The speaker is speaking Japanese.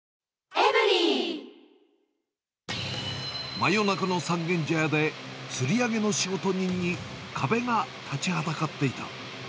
真夜中の三軒茶屋で、つり上げの仕事人に、壁が立ちはだかっていた。